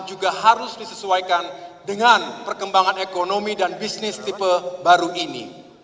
juga harus disesuaikan dengan perkembangan ekonomi dan bisnis tipe baru ini